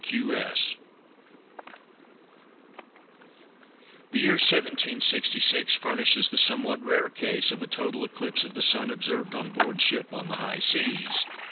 The year 1766 furnishes the somewhat rare case of a total eclipse of the Sun observed on board ship on the high seas.